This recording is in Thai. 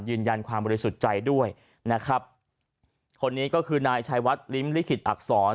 ยืนยันความบริสุทธิ์ใจด้วยนะครับคนนี้ก็คือนายชายวัดลิ้มลิขิตอักษร